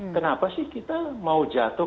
kenapa sih kita mau jatuh